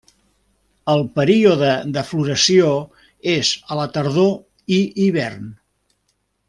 El període de floració és a la tardor i hivern.